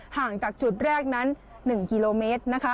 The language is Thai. ห่างจากจุดแรกนั้น๑กิโลเมตร